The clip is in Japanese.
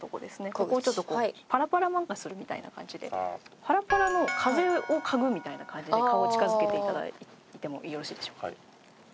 ここをちょっとこうパラパラ漫画するみたいな感じでパラパラの風を嗅ぐみたいな感じで顔を近づけて頂いてもよろしいでしょうか？